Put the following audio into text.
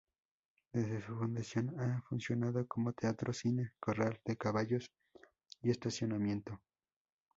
Desde su fundación ha funcionado como teatro, cine, corral de caballos y estacionamiento.